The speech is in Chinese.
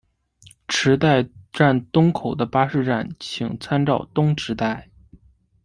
池袋站东口的巴士站请参照东池袋。